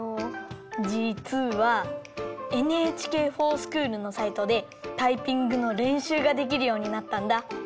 じつはＮＨＫｆｏｒＳｃｈｏｏｌのサイトでタイピングのれんしゅうができるようになったんだ。